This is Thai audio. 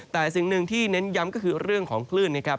แต่สิ่งหนึ่งที่เน้นย้ำก็คือเรื่องของคลื่นนะครับ